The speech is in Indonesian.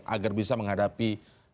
agar bisa menghadapi